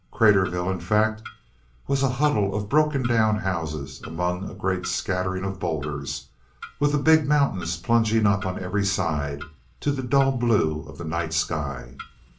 Craterville, in fact, was a huddle of broken down houses among a great scattering of boulders with the big mountains plunging up on every side to the dull blue of the night sky.